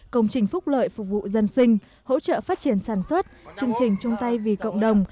công trình phúc lợi phục vụ dân sinh hỗ trợ phát triển sản xuất chương trình chung tay vì cộng đồng